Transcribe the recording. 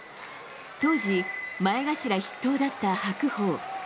当時、前頭筆頭だった白鵬。